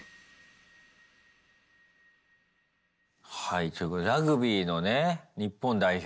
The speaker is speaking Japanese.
はいということでラグビーのね日本代表。